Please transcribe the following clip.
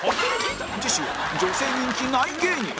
次週は女性人気ない芸人